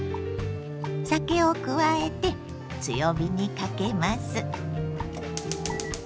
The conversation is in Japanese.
酒を加えて強火にかけます。